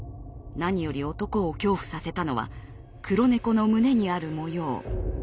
何より男を恐怖させたのは黒猫の胸にある模様。